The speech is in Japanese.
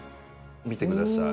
見てください。